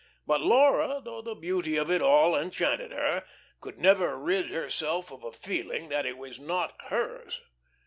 But Laura, though the beauty of it all enchanted her, could never rid herself of a feeling that it was not hers.